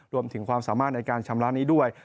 รวมถึงความสามารถในการชำระนี้ด้วย